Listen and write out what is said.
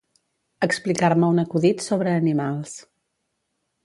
Explicar-me un acudit sobre animals.